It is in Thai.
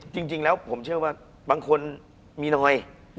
จริงแล้วผมเชื่อว่าบางคนมีน้อย